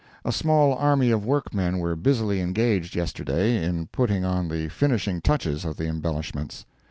A small army of workmen were busily engaged yesterday, in putting on the finishing touches of the embellishments.